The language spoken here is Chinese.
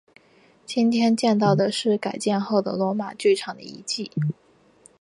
今天见到的是改建后的罗马剧场的遗迹。